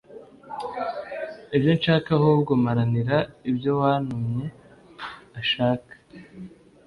ibyo nshaka ahubwo mparanira ibyo uwantumye ashaka